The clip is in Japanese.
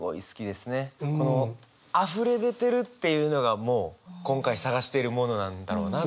このあふれ出てるっていうのがもう今回探しているものなんだろうな。